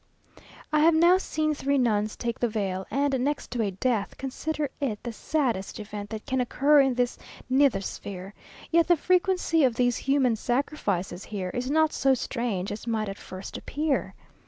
I have now seen three nuns take the veil; and, next to a death, consider it the saddest event that can occur in this nether sphere; yet the frequency of these human sacrifices here is not so strange as might at first appear.